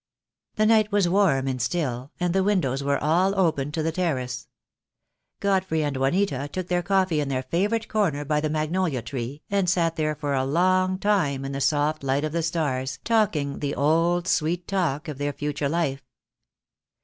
The night was warm and still, and the windows were all open to the terrace. Godfrey and Juanita took their coffee in their favourite corner by the magnolia tree, and sat there for a long time in the soft light of the stars, talking the old sweet talk of their future life.